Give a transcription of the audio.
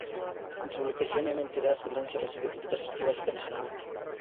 En su publicación, M"entiras de Silencio" recibió críticas positivas internacionalmente.